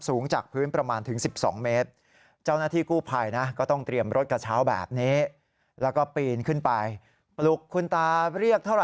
สูงจากพื้นประมาณถึง๑๒เมตร